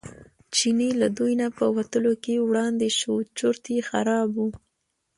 چینی له دوی نه په وتلو کې وړاندې شو چورت یې خراب و.